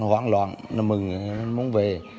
mà lúc đó em loạn mừng muốn về